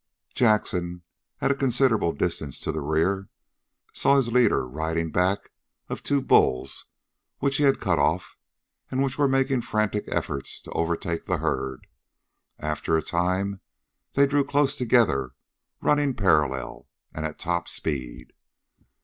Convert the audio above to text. Jackson, at a considerable distance to the rear, saw his leader riding back of two bulls which he had cut off and which were making frantic efforts to overtake the herd. After a time they drew close together, running parallel and at top speed.